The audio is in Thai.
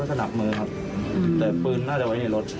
สนับมือครับแต่ปืนน่าจะไว้ในรถ